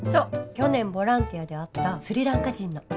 去年ボランティアで会ったスリランカ人の。